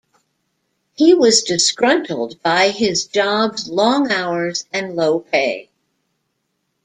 He was disgruntled by his job's long hours and low pay.